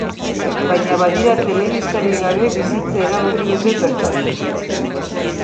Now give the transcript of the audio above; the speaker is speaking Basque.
Baina badira telebistarik gabe bizitzea erabaki duten pertsonak.